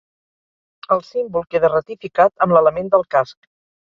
El símbol queda ratificat amb l'element del casc.